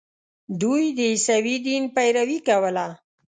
دوی د عیسوي دین پیروي کوله.